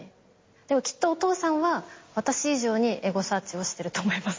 でもきっとお父さんは私以上にエゴサーチをしてると思います。